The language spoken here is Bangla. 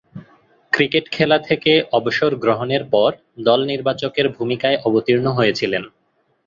ক্রিকেট খেলা থেকে অবসর গ্রহণের পর দল নির্বাচকের ভূমিকায় অবতীর্ণ হয়েছিলেন।